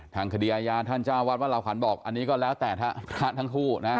ทางคดีอาญาท่านเจ้าวัดวัดเหล่าขวัญบอกอันนี้ก็แล้วแต่พระทั้งคู่นะ